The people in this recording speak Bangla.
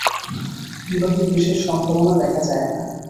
বিবাহের বিশেষ সম্ভাবনা দেখা যায় না।